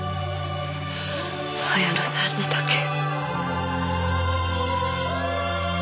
彩乃さんにだけ。